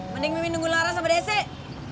mending mimin nunggu laras sama desek